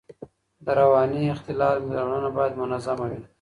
د رواني اختلال درملنه باید منظم وي.